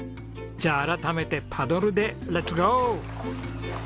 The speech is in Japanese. じゃあ改めてパドルでレッツゴー！